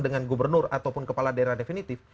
dengan gubernur ataupun kepala daerah definitif